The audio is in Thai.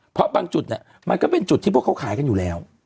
เพราะบางจุดเนี่ยมันก็เป็นจุดที่พวกเขาขายกันอยู่แล้ว